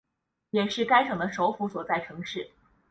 也是该省的首府所在城市。